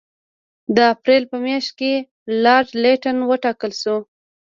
د اپرېل په میاشت کې لارډ لیټن وټاکل شو.